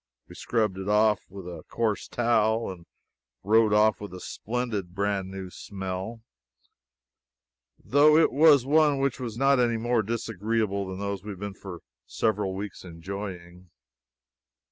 We scrubbed it off with a coarse towel and rode off with a splendid brand new smell, though it was one which was not any more disagreeable than those we have been for several weeks enjoying.